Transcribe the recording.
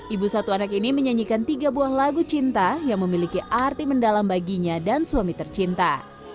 ibu satu anak ini menyanyikan tiga buah lagu cinta yang memiliki arti mendalam baginya dan suami tercinta